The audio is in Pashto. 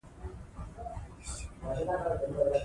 که پیچ وي نو پیوند نه سستیږي.